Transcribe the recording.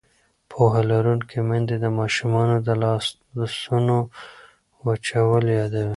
پوهه لرونکې میندې د ماشومانو د لاسونو وچول یادوي.